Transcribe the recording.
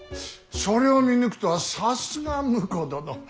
それを見抜くとはさすが婿殿。